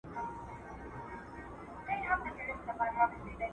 استاد شاګرد ته د موضوع د څېړلو جوړښت ور په ګوته کوي.